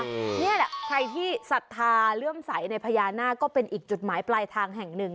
นี่แหละใครที่ศรัทธาเลื่อมใสในพญานาคก็เป็นอีกจุดหมายปลายทางแห่งหนึ่ง